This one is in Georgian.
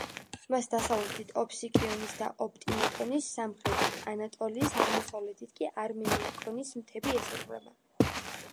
მას დასავლეთით ოფსიკიონის და ოპტიმატონის, სამხრეთით ანატოლიის, აღმოსავლეთით კი არმენიაკონის თემები ესაზღვრებოდა.